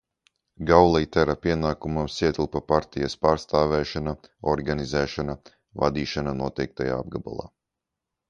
Gauleitera pienākumos ietilpa partijas pārstāvēšana, organizēšana, vadīšana noteiktajā apgabalā.